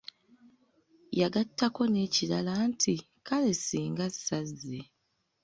Yagattako n'ekirala nti:"kale ssinga sazze"